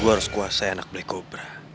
gue harus kuasai anak black cobra